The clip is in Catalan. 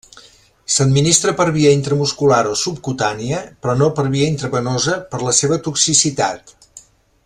S'administra per via intramuscular o subcutània, però no per via intravenosa per la seva toxicitat.